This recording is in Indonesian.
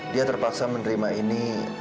dia terpaksa menerima ini